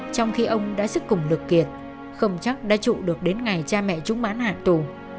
trong khi ông đã sức củng lược kiệt không chắc đã trụ được đến ngày cha mẹ trúng bán hạ tù